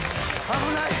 危ない！